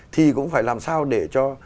thì cũng phải làm sao để cho